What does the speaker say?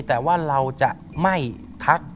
แต่ว่าเราจะไม่ทัก